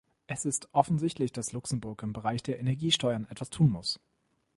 Es ist offensichtlich, dass Luxemburg im Bereich der Energiesteuern etwas tun muss.